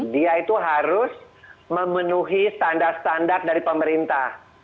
dia itu harus memenuhi standar standar dari pemerintah